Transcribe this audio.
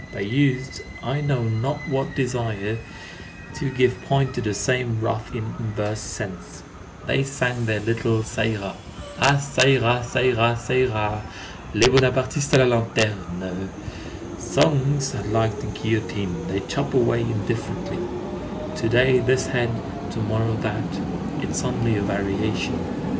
They used I know not what desires to give point to the same wrath in inverse sense. They sang their little _Ça ira: _— Ah! ça ira ça ira ça ira! Les Bonapartistes à la lanterne! Songs are like the guillotine; they chop away indifferently, to day this head, to morrow that. It is only a variation.